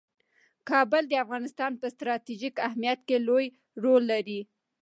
کابل د افغانستان په ستراتیژیک اهمیت کې لوی رول لري.